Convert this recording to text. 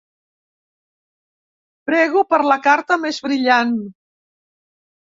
Prego per la carta més brillant.